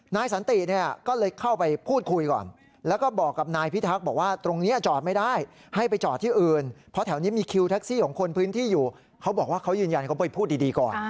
นายสันติก็เลยเข้าไปพูดคุยก่อน